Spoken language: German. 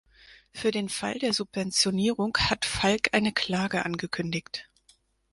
Für den Fall der Subventionierung hat Falck eine Klage angekündigt.